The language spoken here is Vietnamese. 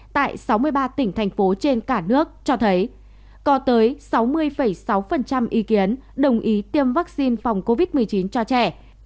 tại sáu mươi ba tỉnh thành phố trên cả nước cho thấy có tới sáu mươi sáu ý kiến đồng ý tiêm vaccine phòng covid một mươi chín cho trẻ